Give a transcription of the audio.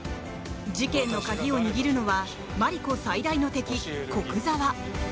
事件の鍵を握るのはマリコ最大の敵、古久沢。